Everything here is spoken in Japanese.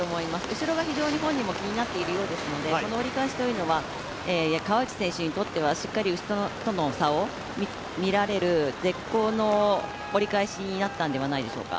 後ろが非常に本人も気になっているようですのでこの折り返しは川内選手にとっては、しっかり後ろとの差を見られる絶好の折り返しになったんではないでしょうか。